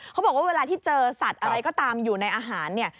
เขาบอกว่าเวลาที่เจอสัตว์อะไรก็ตามอยู่ในอาหารเนี่ย